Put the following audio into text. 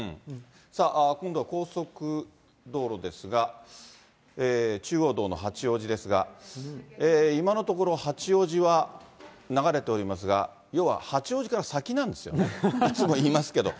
さあ、今度は高速道路ですが、中央道の八王子ですが、今のところ、八王子は流れておりますが、要は八王子から先なんですよね、いつも言いますけど。